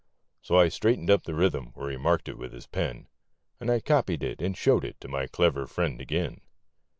So I straighten'd up the rhythm where he marked it with his pen, And I copied it and showed it to my clever friend again.